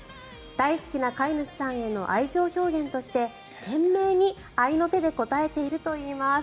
大好きな飼い主さんへの愛情表現として懸命に合の手で応えているといいます。